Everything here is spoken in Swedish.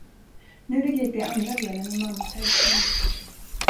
Nu begriper jag andra delen i mammas hälsning.